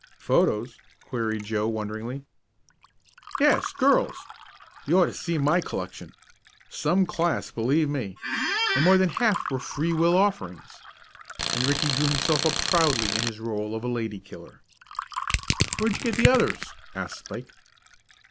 "Photos?" queried Joe wonderingly. "Yes girls? You ought to see my collection! Some class, believe me; and more than half were free will offerings," and Ricky drew himself up proudly in his role of a lady killer. "Where'd you get the others?" asked Spike.